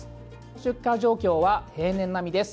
出荷状況は平年並みです。